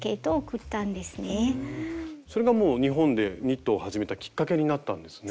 それがもう日本でニットを始めたきっかけになったんですね。